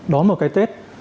đón một cái tết